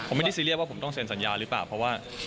ผมไม่ได้เรื่อยฟังว่าผมก็ต้องเซ็นสัญญาหรือเปล่า